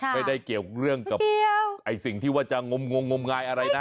ไม่ได้เกี่ยวกับที่ว่าจะงงงายอะไรนะคะ